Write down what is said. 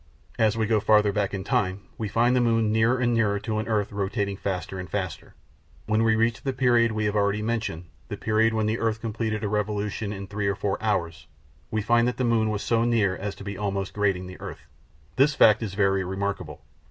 As we go farther back in time we find the moon nearer and nearer to an earth rotating faster and faster. When we reach the period we have already mentioned, the period when the earth completed a revolution in three or four hours, we find that the moon was so near as to be almost grazing the earth. This fact is very remarkable.